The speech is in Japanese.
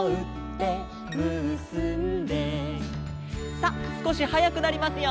さあすこしはやくなりますよ。